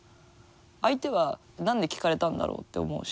相手は何で聞かれたんだろうって思うし。